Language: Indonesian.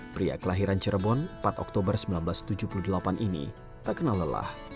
pria kelahiran cirebon empat oktober seribu sembilan ratus tujuh puluh delapan ini tak kenal lelah